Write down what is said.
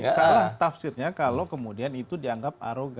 salah tafsirnya kalau kemudian itu dianggap arogan